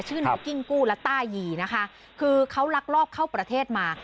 ในกิ้งกู้และต้ายีนะคะคือเขาลักลอบเข้าประเทศมา